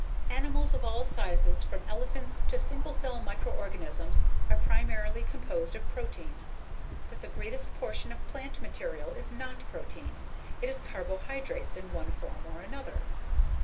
Animals of all sizes from elephants to single cell microorganisms are primarily composed of protein. But the greatest portion of plant material is not protein, it is carbohydrates in one form or another.